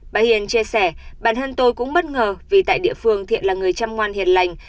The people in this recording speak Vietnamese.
bà hiền chia sẻ bản thân tôi cũng bất ngờ vì tại địa phương thiện là người chăm ngoan hiền lành